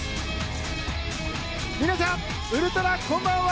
皆さん、ウルトラこんばんは！